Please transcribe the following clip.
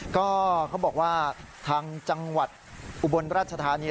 ก็เขาบอกว่าทางจังหวัดอุบลราชธานี